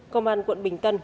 công an quận bình tân